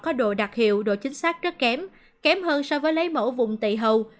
có độ đặc hiệu độ chính xác rất kém kém hơn so với lấy mẫu vùng tị hầu